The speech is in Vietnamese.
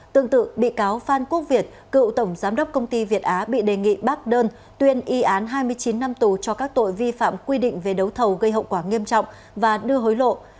tương tự bị cáo phan quốc việt cựu tổng giám đốc cdc hải dương bị đề nghị tuyên y án hai mươi chín năm tù cho các tội vi phạm quy định về đấu thầu gây hậu quả nghiêm trọng và đưa hối lộ